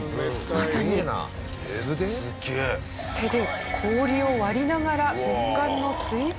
まさに手で氷を割りながら極寒の水中へ。